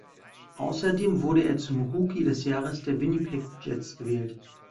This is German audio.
Außerdem wurde er zum Rookie des Jahres der Winnipeg Jets gewählt.